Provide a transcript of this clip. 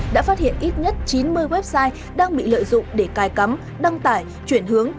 đã phát hiện ít nhất chín mươi website đang bị lợi dụng để cài cắm đăng tải chuyển hướng